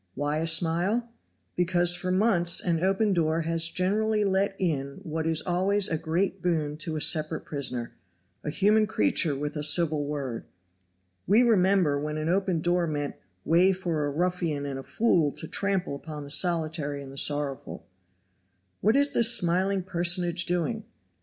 why a smile? Because for months an open door has generally let in what is always a great boon to a separate prisoner a human creature with a civil word. We remember when an open door meant "way for a ruffian and a fool to trample upon the solitary and sorrowful!" What is this smiling personage doing?